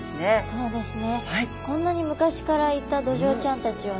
そうですね。